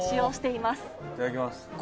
いただきます。